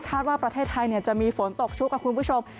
ว่าประเทศไทยจะมีฝนตกชุกค่ะคุณผู้ชม